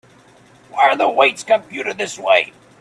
Why are the weights computed this way?